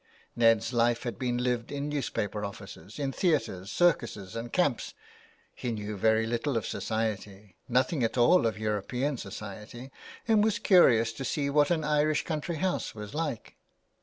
Ned's life had been lived in newspaper offices, in theatres, circuses and camps. He knew very little of society — nothing at all of European society — and was curious to see what an Irish country house was like.